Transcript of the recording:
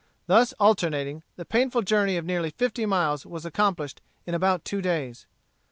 Thus alternating, the painful journey of nearly fifty miles was accomplished in about two days.